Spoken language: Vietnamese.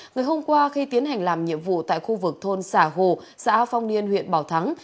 ngày hôm qua khi tiến hành làm nhiệm vụ tại khu vực thôn xả hồ xã phong niên huyện bảo thắng